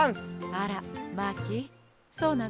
あらマーキーそうなの？